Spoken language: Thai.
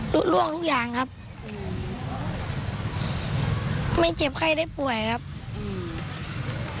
ล่วงทุกอย่างครับอืมไม่เจ็บไข้ได้ป่วยครับอืม